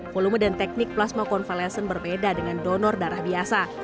volume dan teknik plasma konvalescent berbeda dengan donor darah biasa